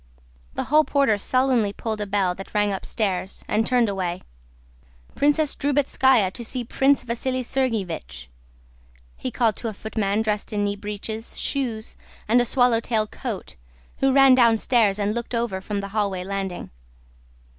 The hall porter sullenly pulled a bell that rang upstairs, and turned away. "Princess Drubetskáya to see Prince Vasíli Sergéevich," he called to a footman dressed in knee breeches, shoes, and a swallow tail coat, who ran downstairs and looked over from the halfway landing.